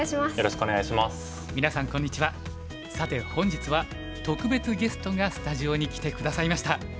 さて本日は特別ゲストがスタジオに来て下さいました。